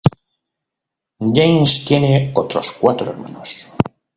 James tiene otros cuatro hermanos.